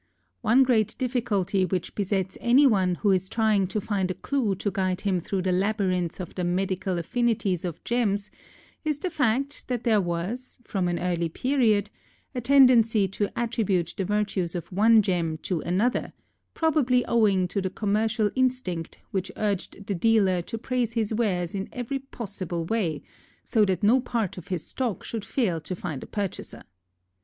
One great difficulty which besets any one who is trying to find a clue to guide him through the labyrinth of the medical affinities of gems is the fact that there was, from an early period, a tendency to attribute the virtues of one gem to another, probably owing to the commercial instinct which urged the dealer to praise his wares in every possible way, so that no part of his stock should fail to find a purchaser.